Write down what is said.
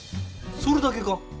それだけか？